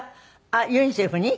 あっユニセフに？